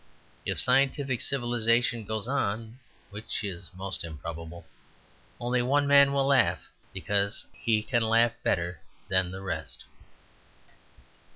If scientific civilization goes on (which is most improbable) only one man will laugh, because he can laugh better than the rest.